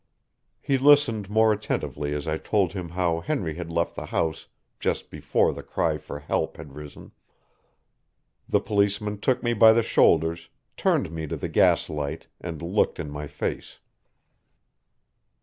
He listened more attentively as I told him how Henry had left the house just before the cry for help had risen. The policeman took me by the shoulders, turned me to the gaslight, and looked in my face.